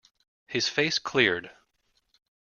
His face cleared.